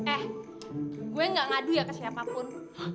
eh gue gak ngadu ya ke siapapun